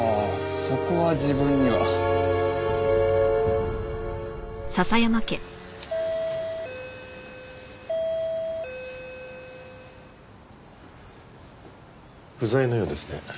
そこは自分には。不在のようですね。